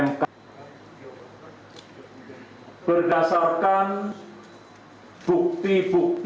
migrasi mesin dan ch stumbled